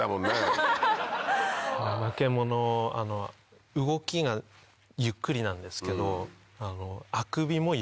あの動きがゆっくりなんですけど。